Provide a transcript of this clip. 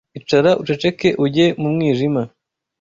Icara uceceke ujye mu mwijima